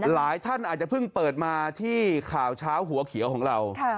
หลายท่านอาจจะเพิ่งเปิดมาที่ข่าวเช้าหัวเขียวของเรา